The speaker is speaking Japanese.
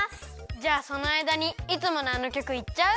じゃあそのあいだにいつものあのきょくいっちゃう？